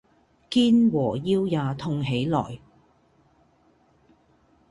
肩和腰也痛起來